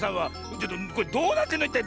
ちょっとこれどうなってんのいったい？